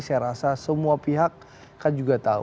saya rasa semua pihak kan juga tahu